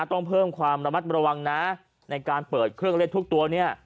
ต้องเพิ่มความระมัดระวังนะในการเปิดเครื่องเล่นทุกตัวเนี่ย